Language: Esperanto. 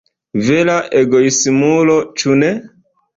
Vera egoismulo, ĉu ne?